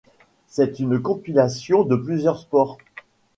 C'est une compilation de plusieurs sports.